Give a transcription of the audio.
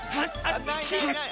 ないないない！